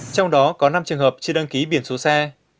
trong đó có năm trường hợp chưa đăng ký biển số xe